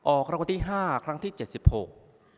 ออกคำวัติห้าครั้งที่เจ็ดสิบหก